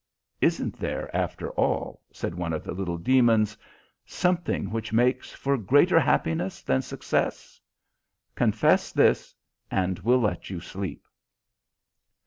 "Isn't there, after all," said one of the little demons, "something which makes for greater happiness than success? Confess this, and we'll let you sleep."